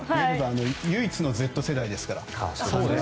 唯一のＺ世代ですから。